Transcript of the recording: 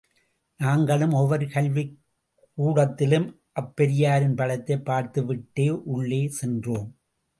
நாங்களும், ஒவ்வொரு கல்விக் கூடத்திலும் அப் பெரியாரின் படத்தைப் பார்த்துவிட்டே உள்ளே சென்றோம்.